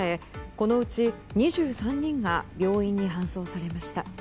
このうち２３人が病院に搬送されました。